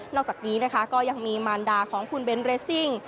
นอกจากนี้ก็ยังมีมารดาของคุณเบนเบรสซิ่ง